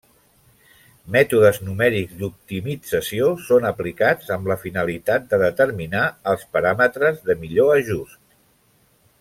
Mètodes numèrics d'optimització són aplicats amb la finalitat de determinar els paràmetres de millor ajust.